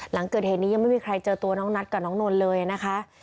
หลังเกิดเหตุนี้ยังไม่มีใครเจอตัวน้องนัทกับน้องนนท์เลยนะคะ